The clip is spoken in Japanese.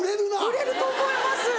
売れると思います。